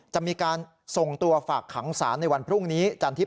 จะมีการส่งตัวฝากขังศาลในวันพรุ่งนี้จันทร์ที่๓